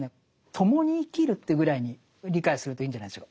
共に生きるというぐらいに理解するといいんじゃないでしょうか。